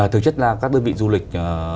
thực chất là các đơn vị du lịch